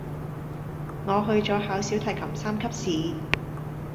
我去咗考小提琴三級試